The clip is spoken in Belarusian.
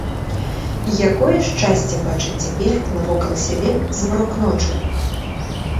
Якое шчасце бачыць цяпер навокал сябе змрок ночы!